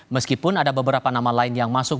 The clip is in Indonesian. meskipun ada beberapa nama lain yang masuk